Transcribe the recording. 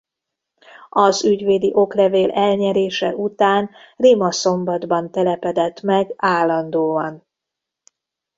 Az ügyvédi oklevél elnyerése után Rimaszombatban telepedett meg állandóan.